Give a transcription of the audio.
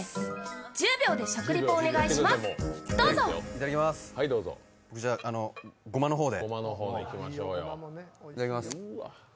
いただきます、ごまの方で。